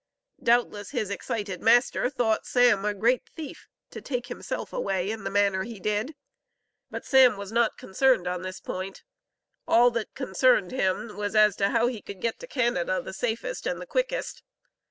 Doubtless, his excited master thought Sam a great thief, to take himself away in the manner that he did, but Sam was not concerned on this point; all that concerned him was as to how he could get to Canada the safest and the quickest.